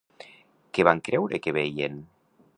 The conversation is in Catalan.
Què van creure que veien?